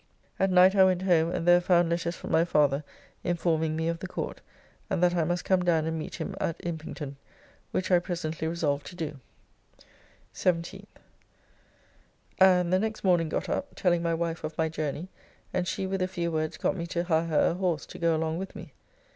At night I went home, and there found letters from my father informing me of the Court, and that I must come down and meet him at Impington, which I presently resolved to do, 17th. And the next morning got up, telling my wife of my journey, and she with a few words got me to hire her a horse to go along with me.